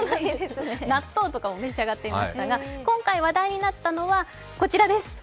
納豆とかも召し上がっていましたが今回話題になったのはこちらです。